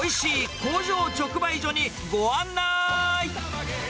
おいしい工場直売所にご案内。